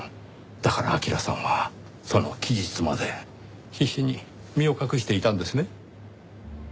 だから明良さんはその期日まで必死に身を隠していたんですね？